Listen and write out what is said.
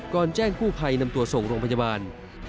แจ้งกู้ภัยนำตัวส่งโรงพยาบาล